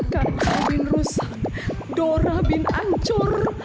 kata bin rusak dora bin ancur